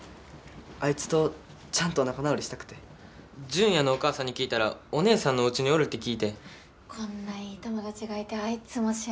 あいつとちゃんと仲直りしたくてジュンヤのお母さんに聞いたらお姉さんのおうちにおるって聞いてこんないい友達がいてあいつも幸せもんだな